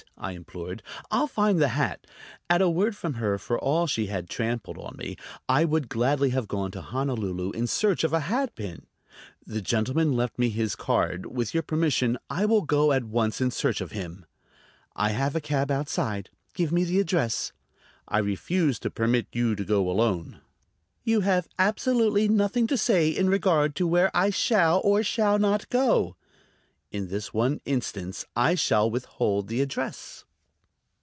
I implored. "I'll find the hat." At a word from her, for all she had trampled on me, I would gladly have gone to Honolulu in search of a hat pin. "The gentleman left me his card. With your permission I will go at once in search of him." "I have a cab outside. Give me the address." "I refuse to permit you to go alone." "You have absolutely nothing to say in regard to where I shall or shall not go." "In this one instance. I shall withhold the address."